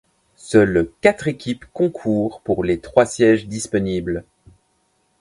Seules quatre équipes concourent pour les trois sièges disponibles.